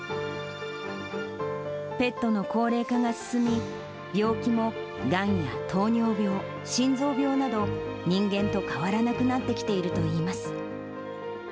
ペットの高齢化が進み、病気もがんや糖尿病、心臓病など、人間と変わらなくなってきているといいます。